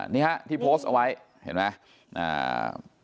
นี่ฮะที่โพสต์เอาไว้เห็นไหม